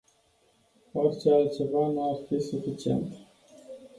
Orice altceva nu ar fi suficient.